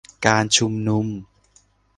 การชุมนุม